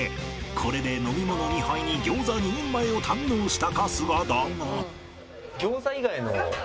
これで飲み物２杯に餃子２人前を堪能した春日だが。